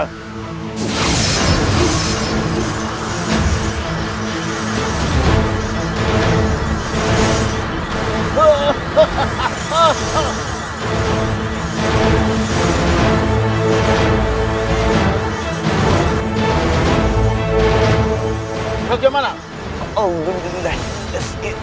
kau seperti bayi yang baru belajar merangkak